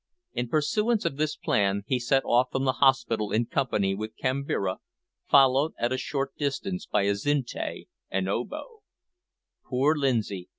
In pursuance of this plan he set off from the hospital in company with Kambira, followed at a short distance by Azinte and Obo. Poor Lindsay!